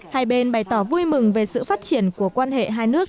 hai bên bày tỏ vui mừng về sự phát triển của quan hệ hai nước